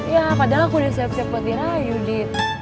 ya padahal aku udah siap siap ngerayu di